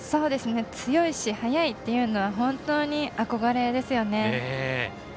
強いし、速いっていうのは本当に憧れですよね。